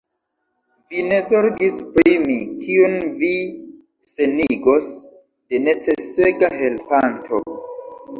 Vi ne zorgis pri mi, kiun vi senigos de necesega helpanto!